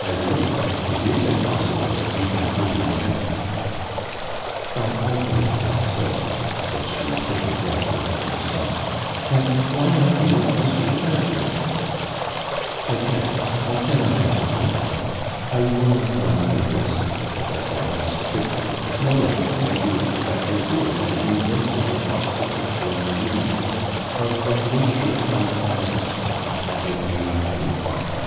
'I will it is impossible that we can ever be united.' 'I always thought so,' said she, taking breath with a deep sigh. 'Then why not live as we have lived?' 'I cannot I cannot answer for myself I will not run the risk; and therefore I must quit you knowing, as I do, that there is an invincible obstacle to our union, of what nature I cannot explain; I beg you not to inquire.'